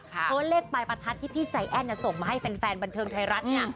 เพราะว่าเลขปลายประทัดที่พี่ใจแอ้นส่งมาให้แฟนบันเทิงไทยรัฐเนี่ย